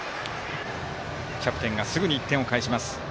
キャプテンがすぐに１点を返します。